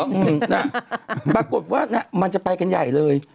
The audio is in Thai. อืมนะปรากฏว่ามันจะไปกันใหญ่เลย